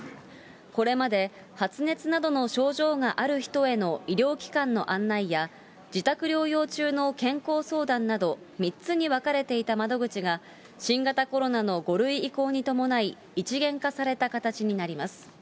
これまで発熱などの症状がある人への医療機関の案内や、自宅療養中の健康相談など、３つに分かれていた窓口が、新型コロナの５類移行に伴い、一元化された形になります。